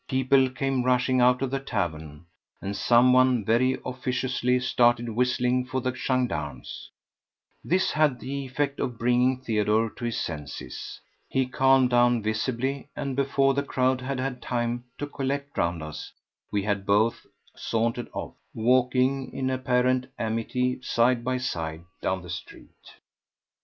People came rushing out of the tavern, and someone very officiously started whistling for the gendarmes. This had the effect of bringing Theodore to his senses. He calmed down visibly, and before the crowd had had time to collect round us we had both sauntered off, walking in apparent amity side by side down the street.